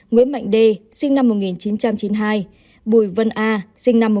nguyễn mạnh đê sinh năm một nghìn chín trăm chín mươi hai bùi vân a sinh năm một nghìn chín trăm tám mươi